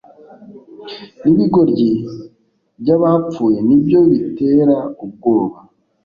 Nibigoryi byabapfuye nibyo bitera ubwoba